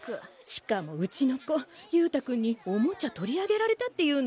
しかもうちの子勇太君にオモチャ取り上げられたって言うの。